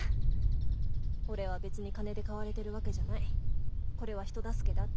俺は別に金で買われてるわけじゃないこれは人助けだって。